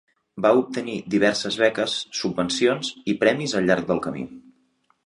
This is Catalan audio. Va obtenir diverses beques, subvencions i premis al llarg del camí.